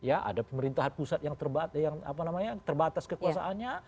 ada pemerintahan pusat yang terbatas kekuasaannya